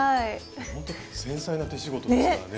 ほんと繊細な手仕事ですからね。ね！